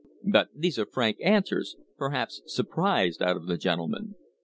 * But these are frank answers, perhaps surprised out of the gentlemen.